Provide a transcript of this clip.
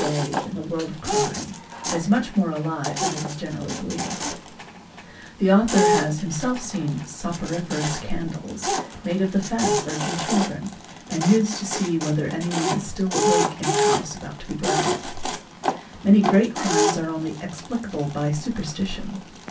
i Th We ee Se Punt EL ee Sige eer a arg ee a ¢ (0 day in the world of crime and is much more alive than is generally believed ®, The author has himself seen '' soporiferous candles,' made of the fat of virgin children, and used to see whether anyone is still wake in a house about to be burgled "9, Many great crimes are only Elicable by superstition.